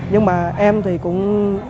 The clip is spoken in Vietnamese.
nhưng mà em thì cũng